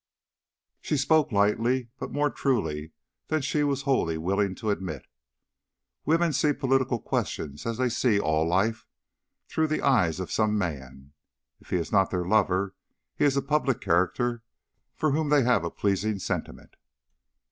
She spoke lightly, but more truly than she was wholly willing to admit. Women see political questions, as they see all life, through the eyes of some man. If he is not their lover, he is a public character for whom they have a pleasing sentiment.